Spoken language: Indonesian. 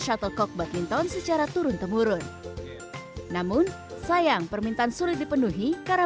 shuttlecock badminton secara turun temurun namun sayang permintaan sulit dipenuhi karena